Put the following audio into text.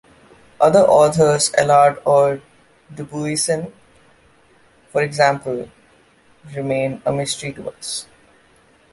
Other authors, Allard or Dubuisson for example, remain a mystery to us.